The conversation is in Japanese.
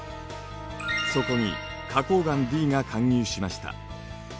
そこに花こう岩Ｄが貫入しました。